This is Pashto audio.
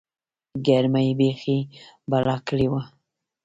گرمۍ بيخي بلا کړې وه.